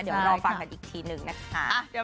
เดี๋ยวรอฟังกันอีกทีนึงนะคะ